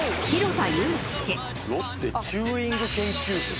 「ロッテチューイング研究部」